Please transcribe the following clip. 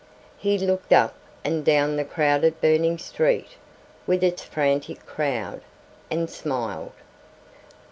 He looked up and down the crowded burning street with its frantic crowd, and smiled.